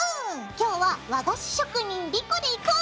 今日は和菓子職人莉子でいこう！